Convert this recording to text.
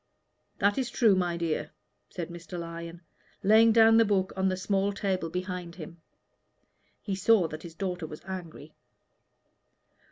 "That is true, my dear," said Mr. Lyon, laying down the book on the small table behind him. He saw that his daughter was angry.